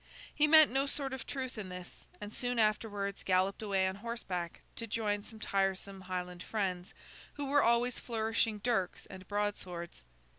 He meant no sort of truth in this, and soon afterwards galloped away on horseback to join some tiresome Highland friends, who were always flourishing dirks and broadswords.